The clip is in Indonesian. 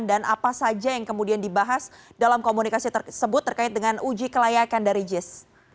dan apa saja yang kemudian dibahas dalam komunikasi tersebut terkait dengan uji kelayakan dari jis